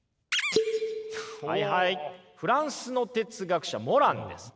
はいはいフランスの哲学者モランです。